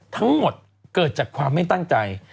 ทั้งหมดเกิดจากความไม่ตั้งใจ